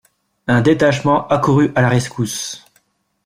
Un détachement accourut à la rescousse.